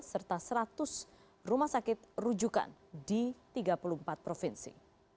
serta seratus rumah sakit rujukan di tiga puluh empat provinsi